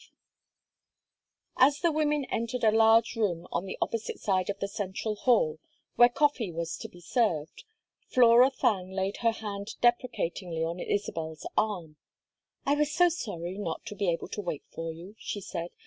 V As the women entered a large room on the opposite side of the central hall, where coffee was to be served, Flora Thangue laid her hand deprecatingly on Isabel's arm. "I was so sorry not to be able to wait for you," she said.